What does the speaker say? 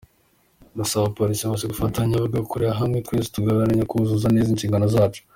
Ndasaba abapolisi bose gufatanya bagakorera hamwe twese tugaharanira kuzuza neza inshingano zacu".